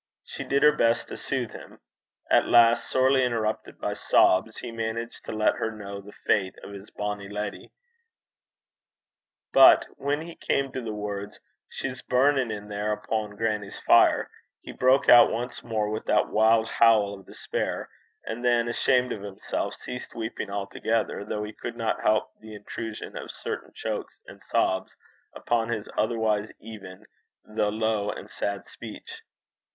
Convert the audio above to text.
She did her best to soothe him. At last, sorely interrupted by sobs, he managed to let her know the fate of his 'bonnie leddy.' But when he came to the words, 'She's burnin' in there upo' granny's fire,' he broke out once more with that wild howl of despair, and then, ashamed of himself, ceased weeping altogether, though he could not help the intrusion of certain chokes and sobs upon his otherwise even, though low and sad speech.